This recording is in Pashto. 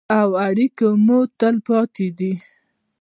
او اړیکې مو تلپاتې دي.